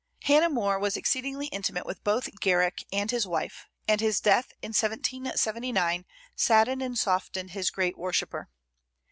Hannah More was exceedingly intimate with both Garrick and his wife; and his death, in 1779, saddened and softened his great worshipper.